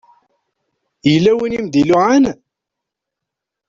Yella win i m-d-iluɛan?